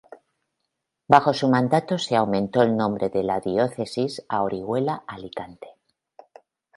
Bajo su mandato se aumentó el nombre de la Diócesis a Orihuela-Alicante.